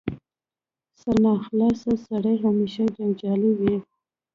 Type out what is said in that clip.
سرناخلاصه سړی همېشه جنجالي وي.